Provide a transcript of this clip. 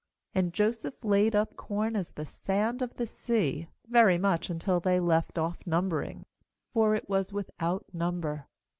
49And Joseph laid up corn as the sand of the sea, very much, until they left off numbering; for it was with out number.